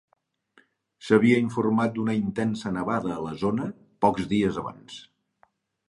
S'havia informat d'una intensa nevada a la zona, pocs dies abans.